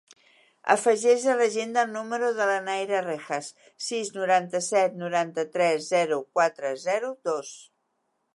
Afegeix a l'agenda el número de la Nayra Rejas: sis, noranta-set, noranta-tres, zero, quatre, zero, dos.